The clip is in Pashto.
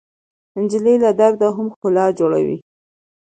نجلۍ له درده هم ښکلا جوړوي.